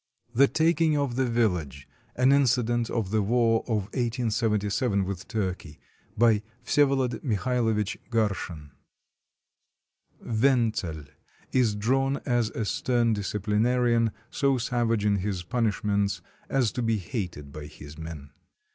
THE TAKING OF THE VILLAGE [An incident of the war of 1877 with Turkey] BY VSYEVOLOD MIKHAILOVITCH GARSHIN [Wentzel is drawn as a stern disciplinarian, so savage in his punishments as to be hated by his men.